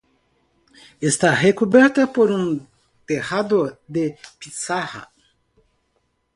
Está recubierta por un tejado de pizarra.